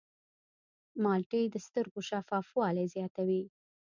مالټې د سترګو شفافوالی زیاتوي.